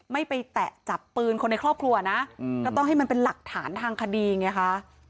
ไม่ไปแตะจับปืนคนในครอบครัวนะก็ต้องให้มันเป็นหลักฐานทางคดีไงคะ